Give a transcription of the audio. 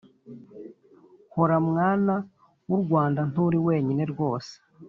hora mwana w’u rwanda nturi wenyine rwose